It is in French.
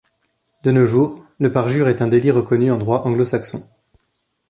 De nos jours, le parjure est un délit reconnu en droit anglo-saxon.